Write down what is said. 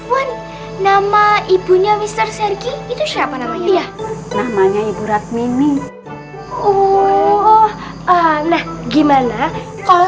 afwan nama ibunya mister sergi itu siapa namanya ya namanya ibu radmini oh ah nah gimana kalau